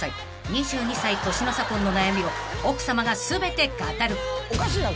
２２歳年の差婚の悩みを奥さまが全て語る］